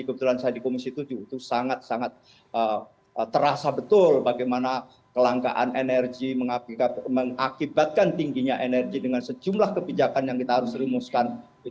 kebetulan saya di komisi tujuh itu sangat sangat terasa betul bagaimana kelangkaan energi mengakibatkan tingginya energi dengan sejumlah kebijakan yang kita harus rumuskan